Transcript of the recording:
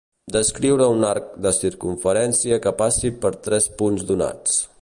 Descriure un arc de circumferència que passi per tres punts donats.